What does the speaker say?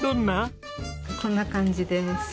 こんな感じです。